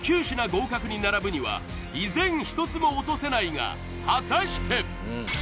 ９品合格に並ぶには依然１つも落とせないが果たして？